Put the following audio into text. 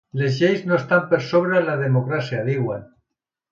Les lleis no estan per sobre de la democràcia, diuen.